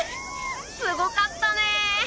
すごかったね！